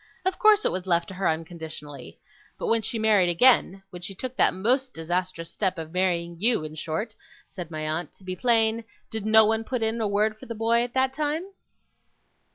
Of course it was left to her unconditionally. But when she married again when she took that most disastrous step of marrying you, in short,' said my aunt, 'to be plain did no one put in a word for the boy at that time?